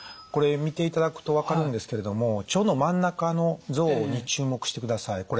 これ見ていただくと分かるんですけれども腸の真ん中の像に注目してください。